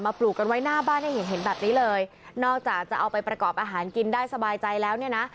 ปลูกกันไว้หน้าบ้านให้เห็นเห็นแบบนี้เลยนอกจากจะเอาไปประกอบอาหารกินได้สบายใจแล้วเนี่ยนะ